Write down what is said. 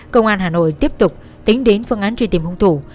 công an hà nội tiếp tục tính đến phương án truy tìm hung thủ